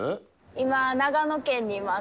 今、長野県にいます。